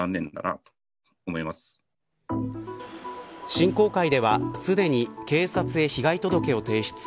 振興会では、すでに警察へ被害届を提出。